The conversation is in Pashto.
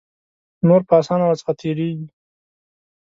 نور په آسانه ور څخه تیریږي.